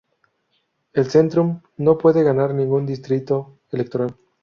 El Zentrum no pudo ganar ningún distrito electoral.